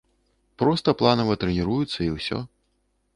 Проста планава трэніруюцца і ўсё.